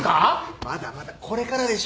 まだまだこれからでしょ。